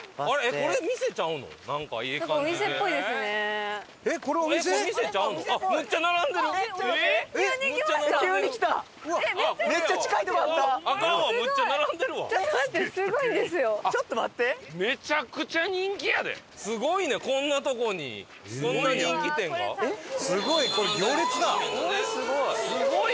これすごい。